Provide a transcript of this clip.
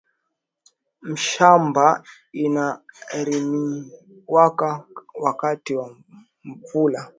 Mashamba ina rimiwaka wakati ya mvula